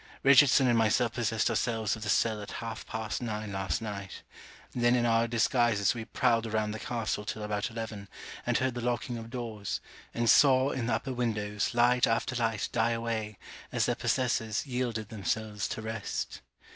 Richardson and myself possessed ourselves of the cell at half past nine last night. Then in our disguises we prowled around the castle till about eleven, and heard the locking of doors, and saw in the upper windows light after light die away as their possessors yielded themselves to rest.